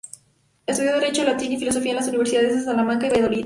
Estudió Derecho, Latín y Filosofía en las universidades de Salamanca y Valladolid.